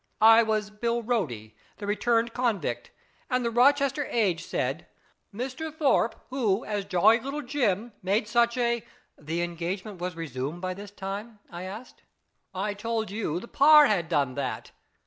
I was Bill Body, the returned convict, and the Rochester Age said, ' Mr. Thorpe, who, as Jolly Little Jim, made such a IS IT A MAN? 263 " The engagement was resumed by tliis time ?" I asked. " I told you the ' par ' had done that.